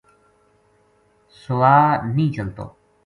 سوا نیہہ چلتو‘‘